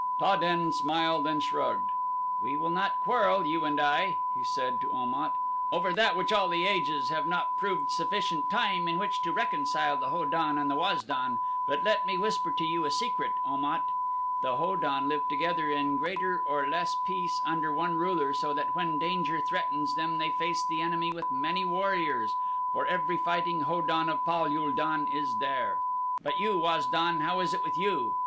Ta den smiled and shrugged. "We will not quarrel, you and I," he said to Om at, "over that which all the ages have not proved sufficient time in which to reconcile the Ho don and Waz don; but let me whisper to you a secret, Om at. The Ho don live together in greater or less peace under one ruler so that when danger threatens them they face the enemy with many warriors, for every fighting Ho don of Pal ul don is there. But you Waz don, how is it with you?